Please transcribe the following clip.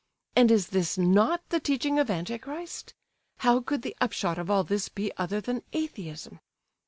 _ And is this not the teaching of Anti Christ? How could the upshot of all this be other than Atheism?